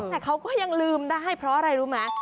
แต่เขาก็ยังลืมได้เพราะอะไรรู้ไหม